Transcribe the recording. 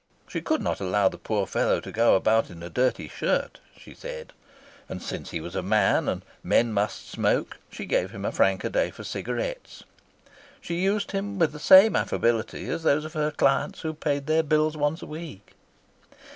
She could not allow the poor fellow to go about in a dirty shirt, she said, and since he was a man, and men must smoke, she gave him a franc a day for cigarettes. She used him with the same affability as those of her clients who paid their bills once a week.